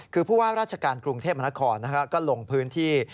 คือผู้ว่าราชการกรุงเทพมนครก็ลงพื้นที่